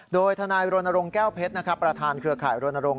โดยทนายรณรงค์แก้วเพชรประธานเครือข่ายรณรงค